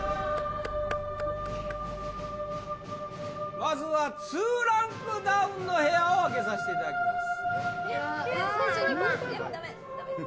まずは２ランクダウンの部屋を開けさしていただきます